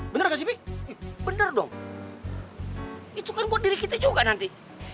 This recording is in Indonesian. bener gak sih be bener dong itu kan buat diri kita juga nanti